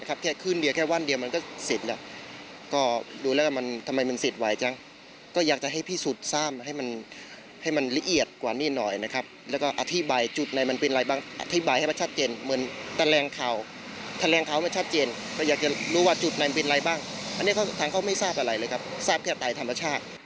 อันนี้พวกจริงค่ะก็ไม่ทราบอะไรเลยครับที่จะสาบแต่ถายธรรมชาติ